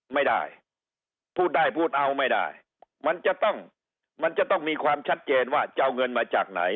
ไม่ได้พูดได้พูดเอาไม่ได้มันจะต้องมีความชัดเจนว่าเจ้าเงินมาจากไหน